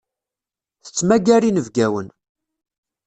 Tettmagar inebgawen.